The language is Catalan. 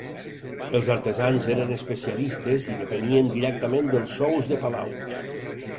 Els artesans eren especialistes i depenien directament dels sous de palau.